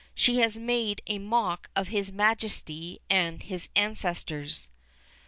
She has made a mock of his Majesty and his ancestors."